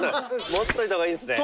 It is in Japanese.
持っといた方がいいんですね。